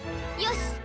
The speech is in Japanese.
よし！